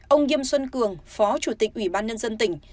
ông nghiêm xuân cường phó chủ tịch ủy ban nhân dân tỉnh